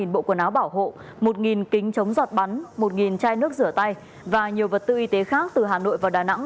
một bộ quần áo bảo hộ một kính chống giọt bắn một chai nước rửa tay và nhiều vật tư y tế khác từ hà nội vào đà nẵng